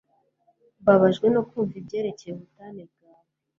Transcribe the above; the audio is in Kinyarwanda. Mbabajwe no kumva ibyerekeye ubutane bwawe